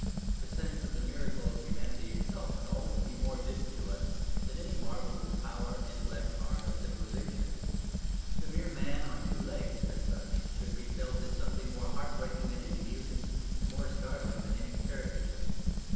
The sense of the miracle of humanity itself should be always more vivid to us than any marvels of power, intellect, art, or civilization. The mere man on two legs, as such, should be felt as something more heartbreaking than any music and more startling than any caricature.